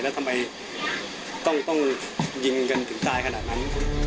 แล้วทำไมต้องยิงกันถึงตายขนาดนั้น